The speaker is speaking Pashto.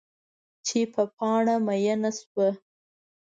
چې په پاڼه میینه شوه